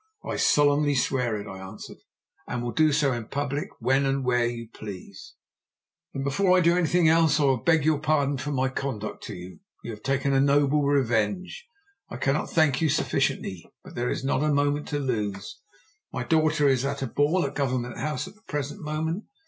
"I solemnly swear it," I answered. "And will do so in public when and where you please." "Then before I do anything else I will beg your pardon for my conduct to you. You have taken a noble revenge. I cannot thank you sufficiently. But there is not a moment to lose. My daughter is at a ball at Government House at the present moment.